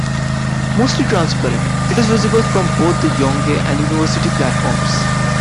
Mostly transparent, it is visible from both the Yonge and University platforms.